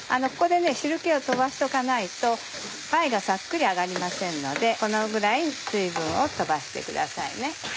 ここで汁気を飛ばしておかないとパイがサックリ揚がりませんのでこのぐらい水分を飛ばしてくださいね。